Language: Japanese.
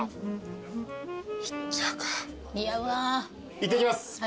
いってきます